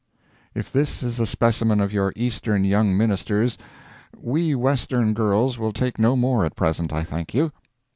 If this is a specimen of your Eastern young ministers, we Western girls will take no more at present, I thank you.